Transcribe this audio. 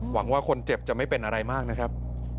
หวังว่าคนเจ็บจะไม่เป็นอะไรมากนะครับ